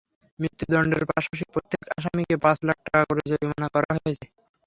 মৃত্যুদণ্ডের পাশাপাশি প্রত্যেক আসামিকে পাঁচ লাখ টাকা করে জরিমানা করা হয়েছে।